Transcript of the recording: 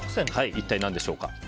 一体、何でしょうか。